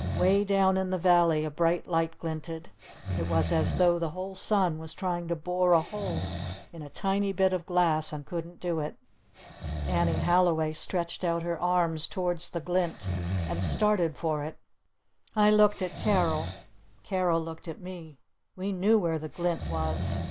Way down in the valley a bright light glinted. It was as though the whole sun was trying to bore a hole in a tiny bit of glass and couldn't do it. Annie Halliway stretched out her arms towards the glint. And started for it. I looked at Carol. Carol looked at me. We knew where the glint was.